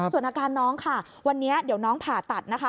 ส่วนอาการน้องค่ะวันนี้เดี๋ยวน้องผ่าตัดนะคะ